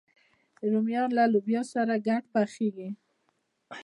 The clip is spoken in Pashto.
رومیان له لوبیا سره ګډ پخېږي